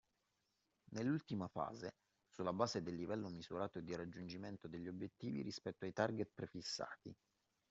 Nell'ultima fase, sulla base del livello misurato di raggiungimento degli obiettivi rispetto ai target prefissati